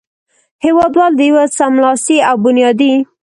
هېوادوال د یوه سملاسي او بنیادي